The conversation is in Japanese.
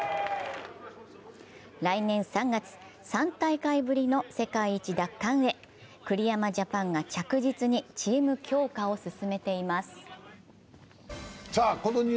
来年３月、３大会ぶりの世界一奪還へ栗山ジャパンが着実にチーム強化を進めています。